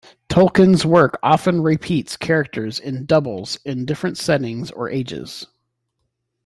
Tolkien's work often repeats characters in "doubles" in different settings or ages.